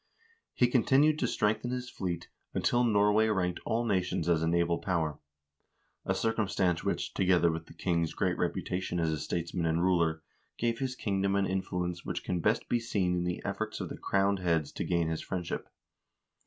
He con tinued to strengthen his fleet, until Norway ranked all nations as a naval power ; a circumstance which, together with the king's great reputation as a statesman and ruler, gave his kingdom an influence which can best be seen in the efforts of the crowned heads to gain his friendship.